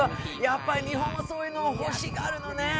やっぱり日本もそういうのを欲しがるのね。